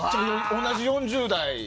同じ４０代。